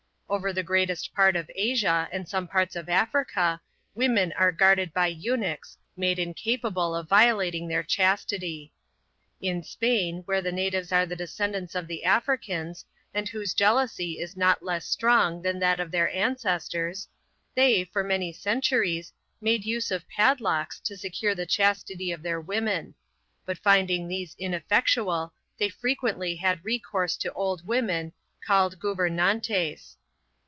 Over the greatest part of Asia, and some parts of Africa, women are guarded by eunuchs, made incapable of violating their chastity. In Spain, where the natives are the descendants of the Africans, and whose jealousy is not less strong than that of their ancestors, they, for many centuries, made use of padlocks to secure the chastity of their women; but finding these ineffectual, they frequently had recourse to old women, called Gouvernantes.